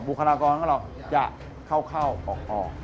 คลากรของเราจะเข้าออก